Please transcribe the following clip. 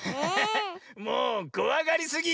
もうこわがりすぎ。